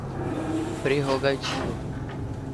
prerrogativa